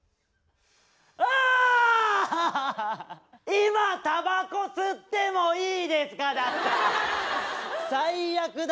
「今たばこ吸ってもいいですか？」だった。最悪だ。